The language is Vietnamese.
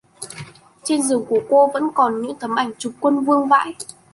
Trên giường của cô vẫn còn những tấm ảnh chụp quân vương vãi